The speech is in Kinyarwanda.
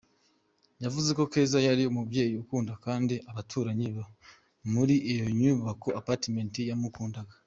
Yavuze ko Keza yari umubyeyi ukunda kandi abaturanyi muri iyo nyubako “Apartement” bamukundaga.